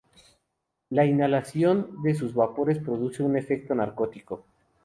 La inhalación de sus vapores produce un efecto narcótico.